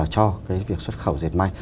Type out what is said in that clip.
cho cái việc xuất khẩu diệt may